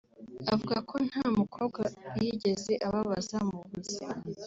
Avuga ko nta mukobwa yigeze ababaza mu buzima